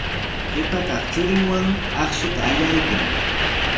Qipa kaq churinwanmi akshuta allaykan.